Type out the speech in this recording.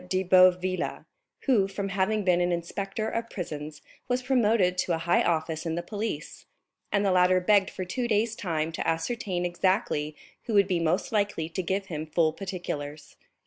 de Boville, who, from having been an inspector of prisons, was promoted to a high office in the police; and the latter begged for two days time to ascertain exactly who would be most likely to give him full particulars.